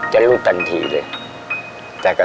จะรุษตันทีเลย